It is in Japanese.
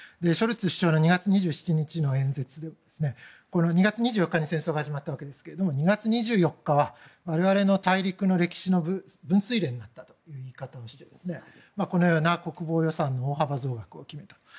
ショルツ首相の２月２７日の演説ではこの２月２４日に戦争が始まったわけですが２月２４日は我々の大陸の歴史の分水嶺になったという言い方をしてこのような国防予算の大幅増額を決めた。